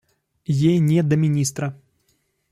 Ей не до министра.